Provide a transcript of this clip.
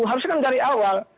harusnya kan dari awal